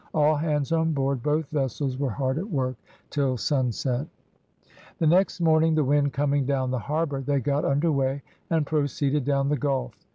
All hands on board both vessels were hard at work till sunset. The next morning, the wind coming down the harbour, they got under weigh, and proceeded down the gulf.